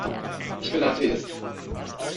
Ich bin Atheist.